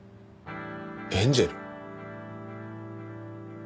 エンジェル？